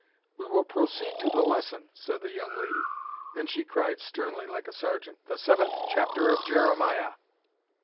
"We will proceed to the lesson," said the young lady. Then she cried sternly, like a sergeant, "The seventh chapter of Jeremiah!"